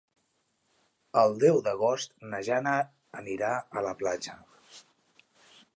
El deu d'agost na Jana anirà a la platja.